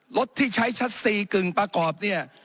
รถที่ใช้ชัด๔กึ่งประกอบเนี่ย